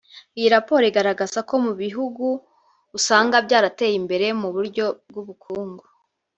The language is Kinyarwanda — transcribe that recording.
Iyi raporo igaragaza ko mu bihugu usanga byarateye imbere mu buryo bw’ubukungu